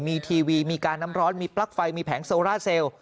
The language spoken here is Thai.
มีทีวีมีการน้ำร้อนมีปลั๊กไฟมีแผงโซล่าเซลล์